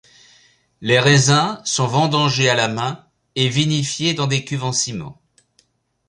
Les raisins sont vendangés à la main et vinifiés dans des cuves en ciment.